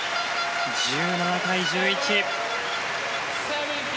１７対１１。